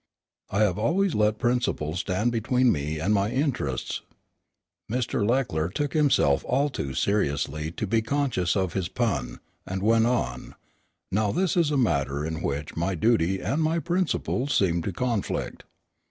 I have always let principle stand between me and my interests." Mr. Leckler took himself all too seriously to be conscious of his pun, and went on: "Now this is a matter in which my duty and my principles seem to conflict.